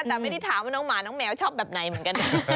แต่ไม่ได้ถามว่าน้องหมาน้องแมวชอบแบบไหนเหมือนกัน